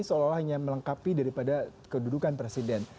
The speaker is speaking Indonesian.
seolah olah hanya melengkapi daripada kedudukan presiden